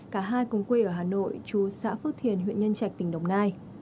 cả hai cùng quê ở hà nội chú xã phước thiền huyện nhân trạch tỉnh đồng nai